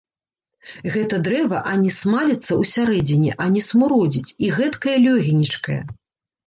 Гэта дрэва ані смаліцца ўсярэдзіне, ані смуродзіць і гэткая лёгенечкая!